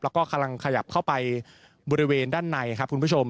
แล้วก็กำลังขยับเข้าไปบริเวณด้านในครับคุณผู้ชม